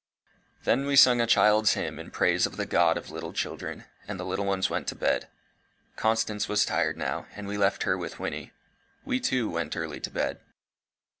Then we sung a child's hymn in praise of the God of little children, and the little ones went to bed. Constance was tired now, and we left her with Wynnie. We too went early to bed.